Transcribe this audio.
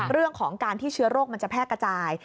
เรื่องของการที่เชื้อโรคมันจะแพร่กระจาย